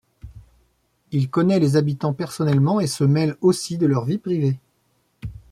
Il connaît les habitants personnellement et se mêle aussi de leurs vies privées.